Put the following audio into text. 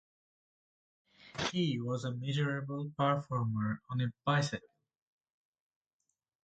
He was a miserable performer on a bicycle.